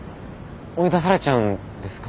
追い出されちゃうんですか？